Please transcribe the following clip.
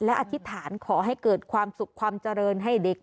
และอธิษฐานขอให้เกิดความสุขความเจริญให้เด็ก